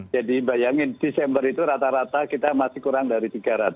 jadi bayangin desember itu rata rata kita masih kurang dari tiga ratus